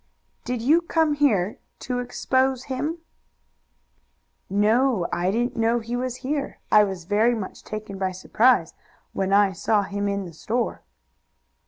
"Did you come here to expose him?" "No; I didn't know he was here. I was very much taken by surprise when I saw him in the store."